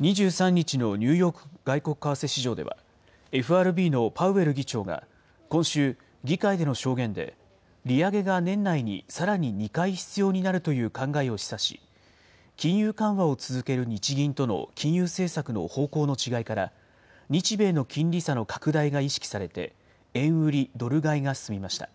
２３日のニューヨーク外国為替市場では、ＦＲＢのパウエル議長が、今週、議会での証言で、利上げが年内にさらに２回必要になるという考えを示唆し、金融緩和を続ける日銀との金融政策の方向の違いから、日米の金利差の拡大が意識されて、円売りドル買いが進みました。